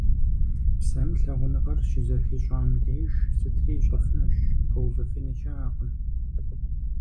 Псэм лъагъуныгъэр щызэхищӏам деж сытри ищӏэфынущ, пэувыфыни щыӏэкъым…